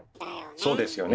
そうですよね。